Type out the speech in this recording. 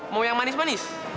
mau yang manis manis